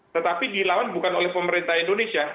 tetapi dilawan bukan oleh pemerintah indonesia